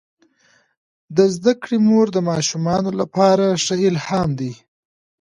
د زده کړې مور د ماشومانو لپاره ښه الهام ده.